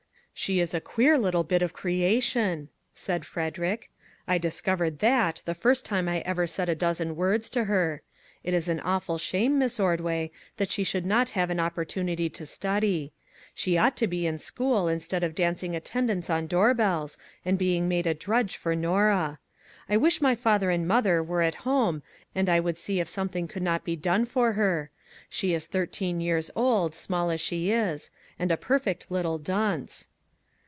" She is a queer little bit of creation," said Frederick. " I discovered that, the first time I ever said a dozen words to her. It is an awful shame, Miss Ordway, that she should not have an opportunity to study. She ought to be in school, instead of dancing attendance on door bells, and being made a drudge for Norah. I wish my father and mother were at home and I would see if something could not be done for her. She is thirteen years old, small as she is; and a perfect little dunce."